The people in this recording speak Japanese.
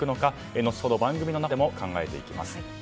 後ほど番組の中でも考えていきます。